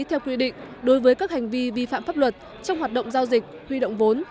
theo quy định đối với các hành vi vi phạm pháp luật trong hoạt động giao dịch huy động vốn